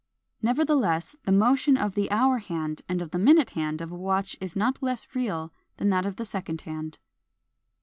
Nevertheless, the motion of the hour hand and of the minute hand of a watch is not less real than that of the second hand.